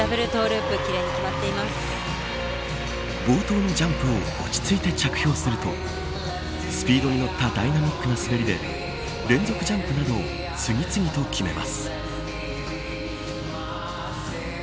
冒頭のジャンプを落ち着いて着氷するとスピードに乗ったダイナミックな滑りで連続ジャンプなどを次々と決めます。